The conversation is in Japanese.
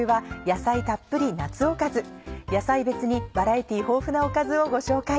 野菜別にバラエティー豊富なおかずをご紹介。